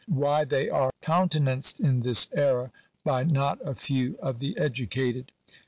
why they are countenanced in this error by not a few of the educated.